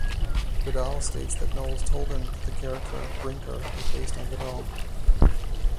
Vidal states that Knowles told him that the character Brinker is based on Vidal.